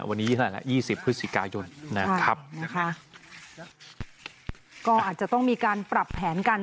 วันนี้นั่นแหละยี่สิบพฤศจิกายนนะครับนะคะก็อาจจะต้องมีการปรับแผนกัน